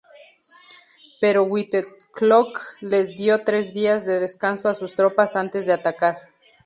Pero Whitelocke les dio tres días de descanso a sus tropas antes de atacar.